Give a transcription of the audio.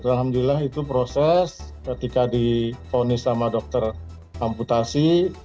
alhamdulillah itu proses ketika difonis sama dokter amputasi